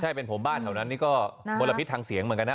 ใช่เป็นผมบ้านแถวนั้นนี่ก็มลพิษทางเสียงเหมือนกันนะ